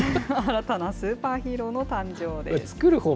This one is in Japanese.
新たなスーパーヒーローの誕生です。